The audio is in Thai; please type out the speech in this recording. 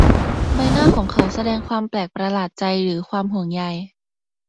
ใบหน้าของเขาแสดงความแปลกประหลาดใจหรือความห่วงใย